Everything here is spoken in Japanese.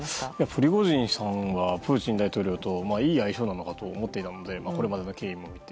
プリゴジンさんはプーチン大統領といい相性なのかと思っていたのでこれまでの経緯を見て。